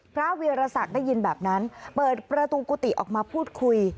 เวียรศักดิ์ได้ยินแบบนั้นเปิดประตูกุฏิออกมาพูดคุย